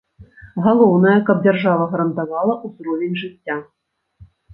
Галоўнае, каб дзяржава гарантавала ўзровень жыцця.